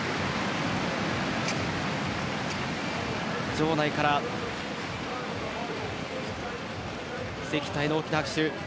場内から関田への大きな拍手。